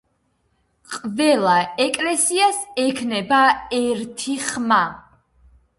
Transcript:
ყველა ეკლესიას ექნება ერთი ხმა.